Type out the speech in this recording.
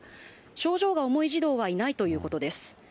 症状が重い児童はいないということです。